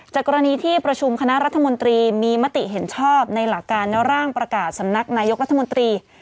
กรณีที่ประชุมคณะรัฐมนตรีมีมติเห็นชอบในหลักการร่างประกาศสำนักนายกรัฐมนตรี